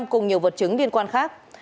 cùng nhiều vật chứng liên quan khác